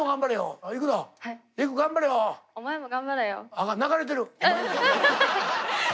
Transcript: あかん流れてる。